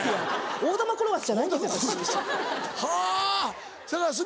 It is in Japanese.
大玉転がしじゃないです私。